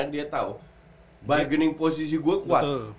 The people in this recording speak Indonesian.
dia tahu bargaining posisi gue kuat